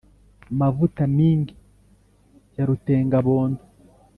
Mavuta-mingi ya rutenga-bondo,